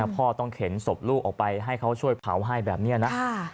พ่อต้องเข็นศพลูกออกไปให้เขาช่วยเผาให้แบบนี้นะ